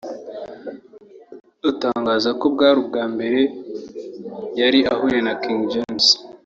atangaza ko bwari ubwa mbere yari ahuye na King James